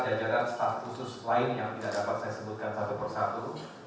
jajaran staff khusus lain yang tidak dapat saya sebutkan satu persatu